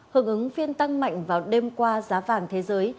hợp ứng phiên tăng mạnh vào đêm qua giá vàng thế giới